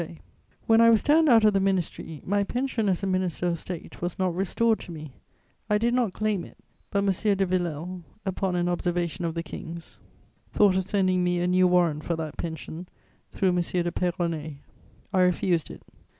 [Sidenote: I refuse my pension.] When I was turned out of the ministry, my pension as a minister of State was not restored to me; I did not claim it; but M. de Villèle, upon an observation of the King's, thought of sending me a new warrant for that pension through M. de Peyronnet. I refused it.